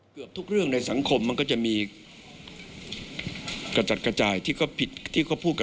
กตบอกไว้ดังนั้นสิ่งที่ไม่แน่ใจก็ไม่ควรทำ